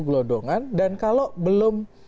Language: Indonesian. gelodongan dan kalau belum